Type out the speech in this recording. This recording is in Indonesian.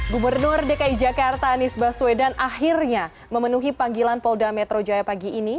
gubernur dki jakarta anies baswedan akhirnya memenuhi panggilan polda metro jaya pagi ini